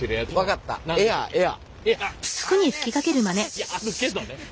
いやあるけどね。